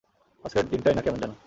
আজকের দিনটাই না কেমন যেন!